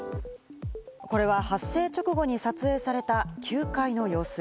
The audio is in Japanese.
これは発生直後に撮影された９階の様子。